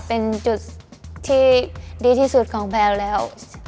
เป็นจุดที่ดีที่สุดของแพลวแล้ว